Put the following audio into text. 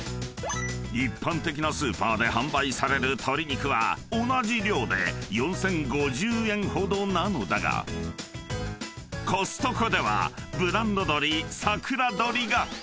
［一般的なスーパーで販売される鶏肉は同じ量で４，０５０円ほどなのだがコストコではブランド鶏さくらどりが］